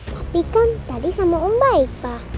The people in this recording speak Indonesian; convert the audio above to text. tapi kan tadi sama om baik pak